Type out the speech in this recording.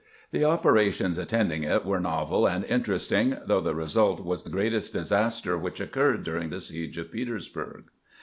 The operations attending it were novel and interesting, though the result was the greatest disaster which oc curred during the siege of Petersburg.